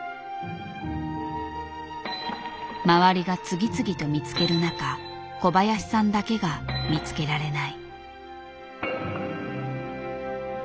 周りが次々と見つける中小林さんだけが見つけられない。